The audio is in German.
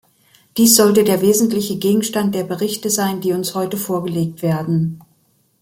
Dies sollte der wesentliche Gegenstand der Berichte sein, die uns heute vorgelegt werden.